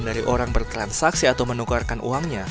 dari orang bertransaksi atau menukarkan uangnya